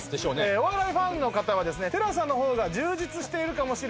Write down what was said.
お笑いファンの方はですねテラサの方が充実しているかもしれないので。